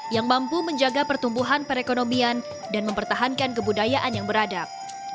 yang mampu menjaga pertumbuhan perekonomian dan mempertahankan kebudayaan yang beradab